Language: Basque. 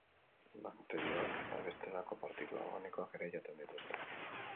Bakterioak eta bestelako partikula organikoak ere jaten dituzte.